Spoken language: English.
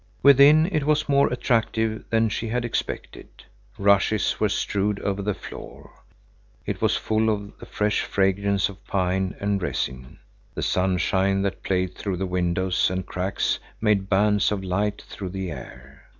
Within it was more attractive than she had expected. Rushes were strewed over the floor. It was full of the fresh fragrance of pine and resin. The sunshine that played through the windows and cracks made bands of light through the air.